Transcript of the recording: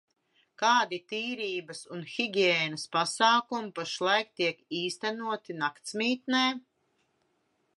Kādi tīrības un higiēnas pasākumi pašlaik tiek īstenoti naktsmītnē?